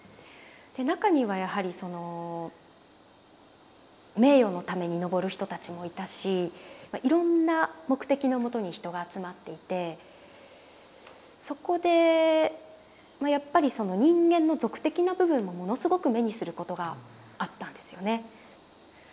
中にはやはりその名誉のために登る人たちもいたしいろんな目的のもとに人が集まっていてそこでやっぱりその人間の俗的な部分もものすごく目にすることがあったんですよね。